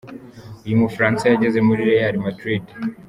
Uyu Mufaransa yageze muri Real M.